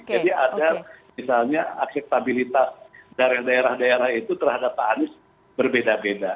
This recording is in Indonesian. jadi ada misalnya akseptabilitas dari daerah daerah itu terhadap pak anis berbeda beda